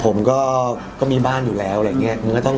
ผมก็มีบ้านอยู่แล้วอะไรอย่างนี้